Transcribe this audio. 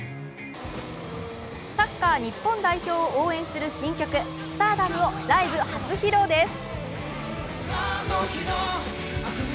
サッカー日本代表を応援する新曲、「Ｓｔａｒｄｏｍ」をライブ初披露です。